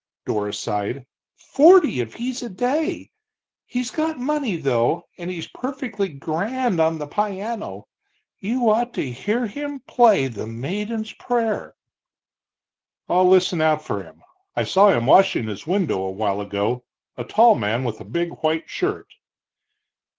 Dora sighed, "forty if he's a day. He's got money, though, and he's perfec'ly grand on the pieanno. You ought to hear him play The Maiden's Prayer!" "I'll listen out for him. I saw him washing his window a while ago a tall man with a big white shirt."